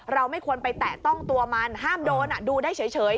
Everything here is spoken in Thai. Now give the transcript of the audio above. ไม่ควรไปแตะต้องตัวมันห้ามโดนดูได้เฉย